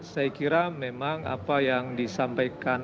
saya kira memang apa yang disampaikan